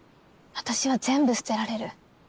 私は全部捨てられる。